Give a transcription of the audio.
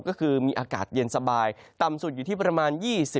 ก็คือมีอากาศเย็นสบายต่ำสุดอยู่ที่ประมาณ๒๐